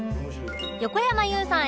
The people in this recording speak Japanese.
横山裕さん